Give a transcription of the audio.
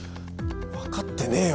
わかってねぇよ